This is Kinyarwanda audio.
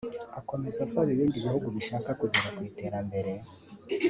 Akomeza asaba ibindi bihugu bishaka kugera ku iterambere